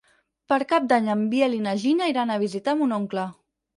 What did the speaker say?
Per Cap d'Any en Biel i na Gina iran a visitar mon oncle.